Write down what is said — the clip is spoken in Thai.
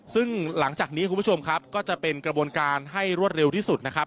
ซึ่งหลังจากนี้คุณผู้ชมครับก็จะเป็นกระบวนการให้รวดเร็วที่สุดนะครับ